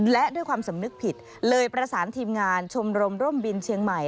และด้วยความสำนึกผิดเลยประสานทีมงานชมรมร่มบินเชียงใหม่